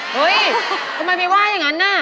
เฮ้ยทำไมไปว่าอย่างนั้นน่ะ